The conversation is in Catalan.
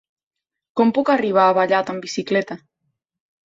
Com puc arribar a Vallat amb bicicleta?